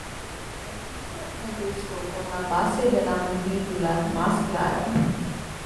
El pico es negruzco con la base de la mandíbula más clara.